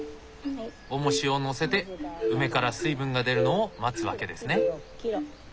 おもしを載せて梅から水分が出るのを待つ訳ですね。